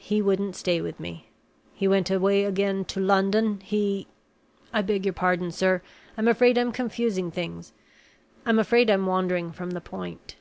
He wouldn't stay with me; he went away again to London; he I beg your pardon, sir! I'm afraid I'm confusing things; I'm afraid I'm wandering from the point."